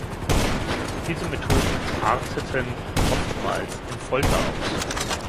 Diese Methoden arteten oftmals in Folter aus.